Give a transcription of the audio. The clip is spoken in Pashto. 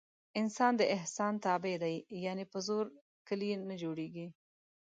انسان د احسان تابع دی. یعنې په زور کلي نه جوړېږي.